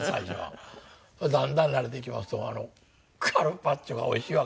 だんだん慣れていきますとカルパッチョがおいしいわけですよ。